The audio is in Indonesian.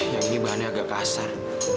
yang ini bahannya agak kasar